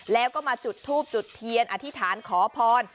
แล้วก็มาจุดทูบจุดเทียนอธิษฐานขอพร